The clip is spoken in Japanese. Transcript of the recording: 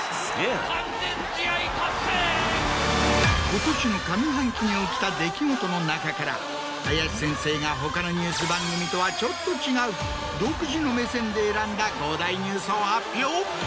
今年の上半期に起きた出来事の中から林先生が他のニュース番組とはちょっと違う独自の目線で選んだ５大ニュースを発表。